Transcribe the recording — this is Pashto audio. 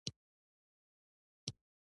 ابوالبرکات تر سهاره تلاوت وکړ.